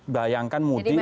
bayangkan mudik dari